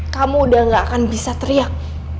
kamu udah gak akan bisa teriak